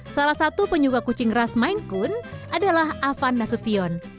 salah satu penyuka kucing ras mainkun adalah afan nasution